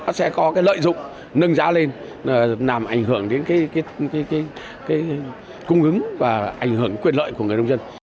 nó sẽ có cái lợi dụng nâng giá lên làm ảnh hưởng đến cái cung ứng và ảnh hưởng quyền lợi của người nông dân